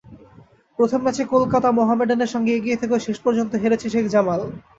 প্রথম ম্যাচে কলকাতা মোহামেডানের সঙ্গে এগিয়ে থেকেও শেষ পর্যন্ত হেরেছে শেখ জামাল।